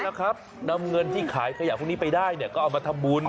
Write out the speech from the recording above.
นะครับนำเงินที่ขายขยะพวกนี้ไปได้เนี่ยก็เอามาทำบุญ